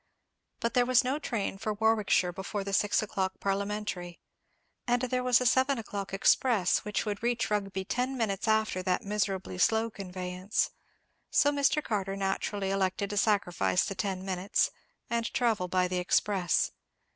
But there was no train for Warwickshire before the six o'clock parliamentary, and there was a seven o'clock express, which would reach Rugby ten minutes after that miserably slow conveyance; so Mr. Carter naturally elected to sacrifice the ten minutes, and travel by the express.